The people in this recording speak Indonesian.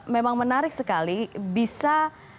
memang menarik sekali bisa